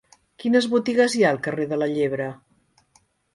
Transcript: Quines botigues hi ha al carrer de la Llebre?